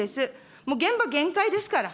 もう現場、限界ですから。